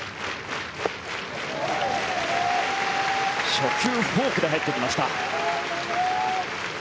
初球フォークで入ってきました。